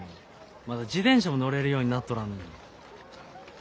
まだ自転車も乗れるようになっとらんのに。